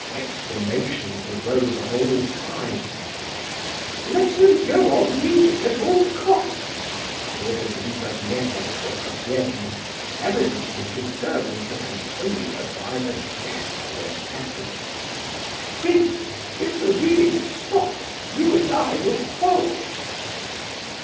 Exclamations arose on all sides. "Let him go on reading at all costs!" ordered Lizabetha Prokofievna, evidently preserving her composure by a desperate effort. "Prince, if the reading is stopped, you and I will quarrel."